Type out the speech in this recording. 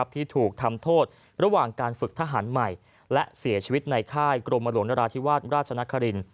ที่ถูกทำโทษระหว่างการฝึกทหารใหม่และเสียชีวิตในค่ายกรมหลวงนราธิวาสราชนคริน